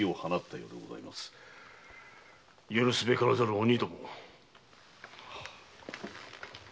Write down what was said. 許すべからざる鬼どもだ。